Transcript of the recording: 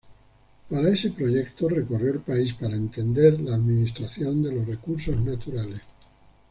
Para ese proyecto recorrió el país para entender la administración de los recursos naturales.